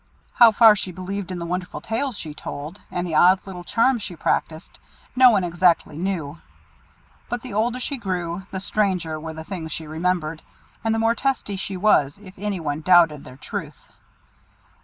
How far she believed in the wonderful tales she told, and the odd little charms she practised, no one exactly knew; but the older she grew, the stranger were the things she remembered, and the more testy she was if any one doubted their truth.